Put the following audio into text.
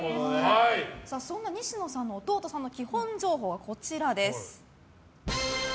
そんな西野さんの弟さんの基本情報です。